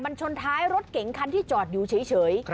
มันชนท้ายรถเก๋งคันที่จอดอยู่เฉย